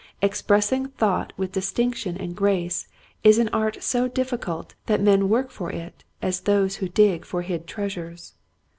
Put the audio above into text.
Expressing thought with distinction and grace is an art so difficult that men work for it as those who dig for hid treasures.